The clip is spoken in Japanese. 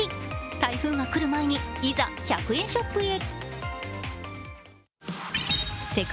台風が来る前に、いざ、１００円ショップへ。